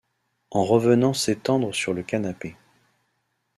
en revenant s’étendre sur le canapé.